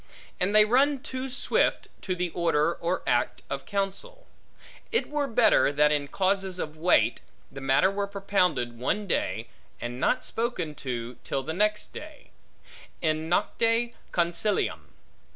And they run too swift, to the order, or act, of counsel. It were better that in causes of weight, the matter were propounded one day, and not spoken to till the next day; in nocte consilium.